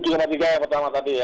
cuma tiga yang pertama tadi ya